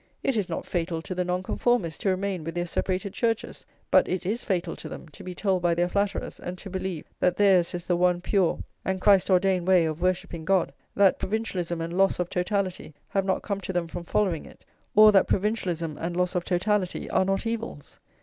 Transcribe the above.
It is not [lvii] fatal to the Nonconformists to remain with their separated churches; but it is fatal to them to be told by their flatterers, and to believe, that theirs is the one pure and Christ ordained way of worshipping God, that provincialism and loss of totality have not come to them from following it, or that provincialism and loss of totality are not evils.